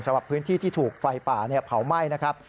สำหรับพื้นที่ที่ถูกไฟป่าเผาไหม้นะครับ